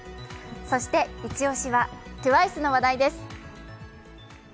そして、一押しはＴＷＩＣＥの話題です。